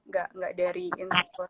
nggak dari instruktur